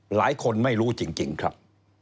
หลายคนไม่รู้จริงครับ